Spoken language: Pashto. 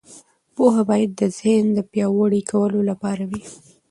پوهه باید د ذهن د پیاوړي کولو لپاره وي.